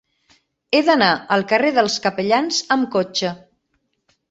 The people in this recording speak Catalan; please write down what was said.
He d'anar al carrer dels Capellans amb cotxe.